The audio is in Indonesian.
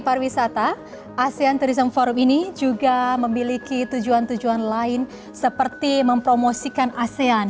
pariwisata asean tourism forum ini juga memiliki tujuan tujuan lain seperti mempromosikan asean